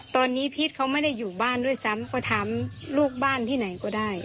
ตอนนี้พีชเขาไม่ได้อยู่บ้านด้วยซ้ำก็ถามลูกบ้านที่ไหนก็ได้